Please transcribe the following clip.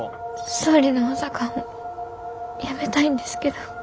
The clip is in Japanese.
総理の補佐官を辞めたいんですけど。